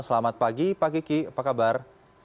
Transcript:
selamat pagi pak kiki apa kabar